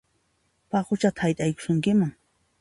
Paquchataq hayt'ayusunkiman!